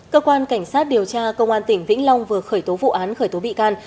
cơ quan cảnh sát điều tra công an tỉnh vĩnh long vừa khởi tố vụ án khởi tố bị can